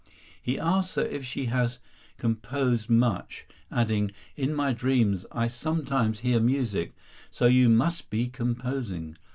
He asks her if she has composed much, adding, "In my dreams I sometimes hear music—so you must be composing."